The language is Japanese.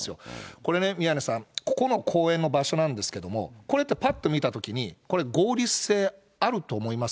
これね、宮根さん、ここの公園の場所なんですけども、これって、ぱっと見たときに、これ、合理性あると思います？